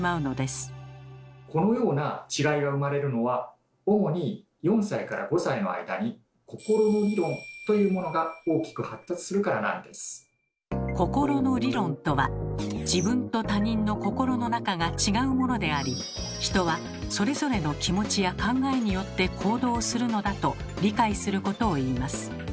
このような違いが生まれるのは心の理論とは自分と他人の心の中が違うものであり人はそれぞれの気持ちや考えによって行動するのだと理解することをいいます。